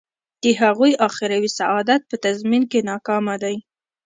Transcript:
د هغوی اخروي سعادت په تضمین کې ناکامه دی.